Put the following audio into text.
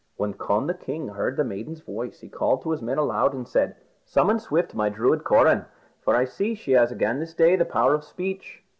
When Conn the king heard the maiden's voice he called to his men aloud and said: "Summon swift my Druid Coran, for I see she has again this day the power of speech."